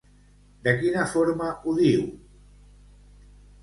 De quina forma ho diu?